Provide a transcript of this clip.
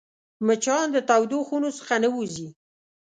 مچان د تودو خونو څخه نه وځي